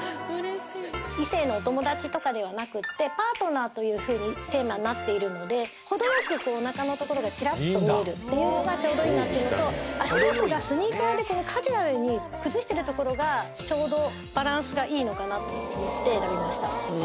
異性のお友達とかではなくってパートナーというふうにテーマになっているので程よくおなかの所がちらっと見えるっていうのがちょうどいいなっていうのと足元がスニーカーでカジュアルに崩してるところがちょうどバランスがいいのかなって思って選びました